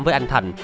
với anh thành